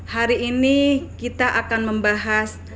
hari ini kita akan membahas